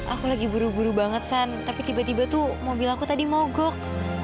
aku lagi buru buru banget san tapi tiba tiba tuh mobil aku tadi mogok